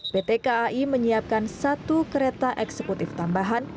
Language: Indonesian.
pt kai menyiapkan satu kereta eksekutif tambahan